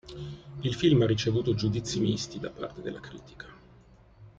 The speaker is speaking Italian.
Il film ha ricevuto giudizi misti da parte della critica.